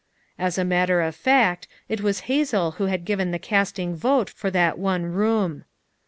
As a matter of fact, it was Hazel who had given the casting vote for that one room.